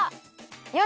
よし！